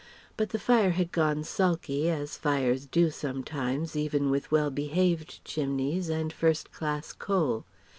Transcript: But the fire had gone sulky, as fires do sometimes even with well behaved chimneys and first class coal.